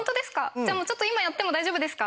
じゃあもうちょっと今やっても大丈夫ですか？